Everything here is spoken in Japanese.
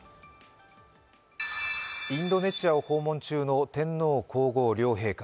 インドネシアを訪問中の天皇皇后両陛下。